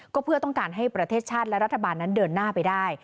ก็เพื่อต้องการให้ประเทศชาติและรัฐบาลนั้นเดินหน้าไปได้